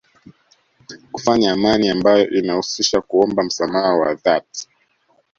Kufanya amani ambayo inahusisha kuomba msamaha wa dhati